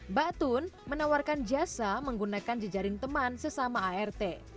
mbak tun menawarkan jasa menggunakan jejaring teman sesama art